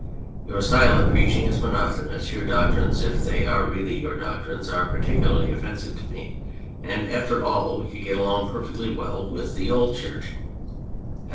Your style of preaching is mono tonous, your doctrines (if they are really your doctrines) are particularly offensive to me ; and after all we could get along perfectly well with the old 200 The Honest Man and the Devil church.